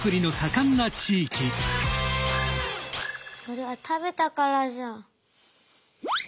それは食べたからじゃ。